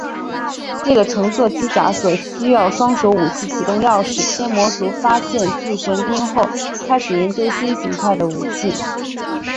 为了乘坐机甲需要双手武器启动钥匙天魔族发现巨神兵后开始研究新形态的武器。